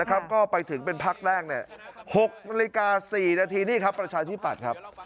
ก็ไปถึงเป็นพักแรก๖นาฬิกา๔นาทีนี่ครับประชาธิปัตย์ครับ